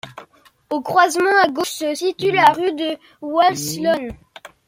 Au croisement à gauche se situe la rue de Wasselonne.